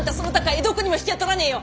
江戸っ子にも引けを取らねえよ。